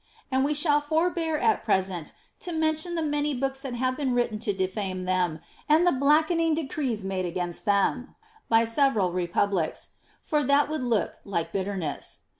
And we shall forbear at present to mention the many books that have been written to defame them, and the blackening decrees made against them by several republics ; for that would look like bitterness.